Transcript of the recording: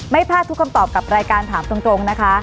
ไม่พลาดทุกคำตอบกับรายการถามตรงนะคะ